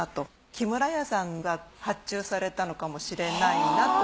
木村屋さんが発注されたのかもしれないなと。